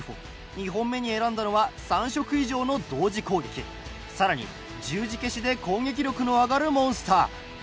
２本目に選んだのは３色以上の同時攻撃更に十字消しで攻撃力の上がるモンスター。